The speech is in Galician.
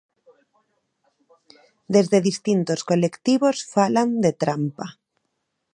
Desde distintos colectivos falan de trampa.